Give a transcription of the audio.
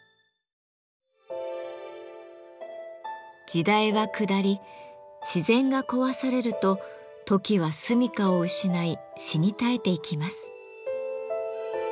時代は下り自然が壊されるとトキはすみかを失い死に絶えていきます。